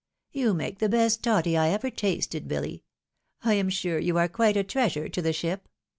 " You make the best toddy I ever tasted, BiUy. I am sure you are quite a treasure to the ship.